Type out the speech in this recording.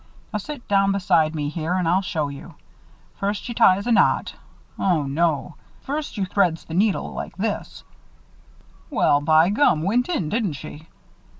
"Now, sit down aside me here and I'll show you. First you ties a knot Oh, no! First you threads the needle like this Well, by gum, went in, didn't she?